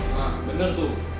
nah bener tuh